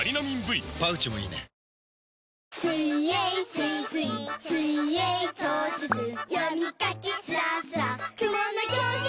スイスイ水泳教室読み書きスラスラＫＵＭＯＮの教室